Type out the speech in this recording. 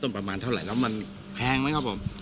ประมาณเท่าไหร่แล้วมันแพงไหมครับผม